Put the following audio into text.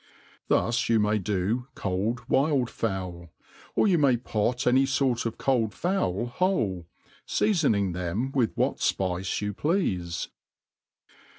Thus you may do cold wild fowl ; or you tnay pot any fort of cold fowl whole, feafoning them witb what fpice you pleaic.